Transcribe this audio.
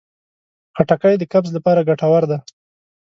خټکی د قبض لپاره ګټور دی.